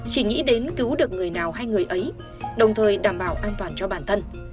chỉ nghĩ đến cứu được người nào hay người ấy đồng thời đảm bảo an toàn cho bản thân